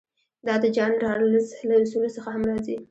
دا د جان رالز له اصولو څخه هم راځي.